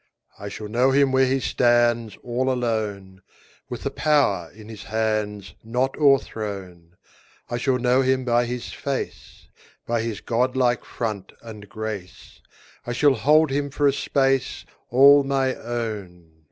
I shall know him where he stands All alone, 10 With the power in his hands Not o'erthrown; I shall know him by his face, By his godlike front and grace; I shall hold him for a space 15 All my own!